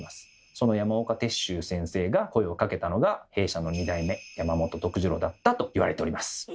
その山岡鉄舟先生が声をかけたのが弊社の２代目山本治郎だったといわれております。